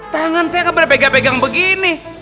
tangan saya kembali pegang pegang begini